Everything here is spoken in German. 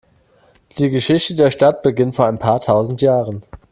Die Geschichte der Stadt beginnt vor ein paar tausend Jahren.